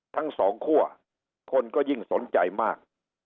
ทั้งสองคั่วคนก็ยิ่งสนใจมาก